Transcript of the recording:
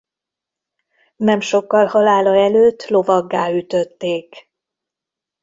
Nem sokkal halála előtt lovaggá ütötték.